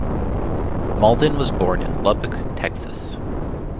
Mauldin was born in Lubbock, Texas.